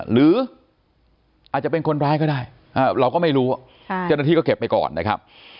หรืออาจจะเป็นคนร้ายก็ได้เราก็ไม่รู้เจ้าหน้าที่ก็เก็บไปก่อนนะครับ